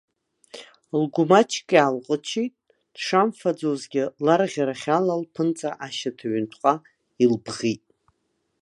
Лгәы маҷк иаалҟычит, дшамфаӡозгьы, ларӷьарахь ала лԥынҵа ашьаҭа ҩынтәҟагьы илбӷит.